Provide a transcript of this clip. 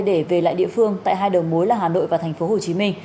để về lại địa phương tại hai đường mối là hà nội và tp hcm